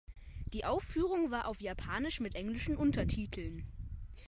Die Aufführung war auf Japanisch mit englischen Übertiteln.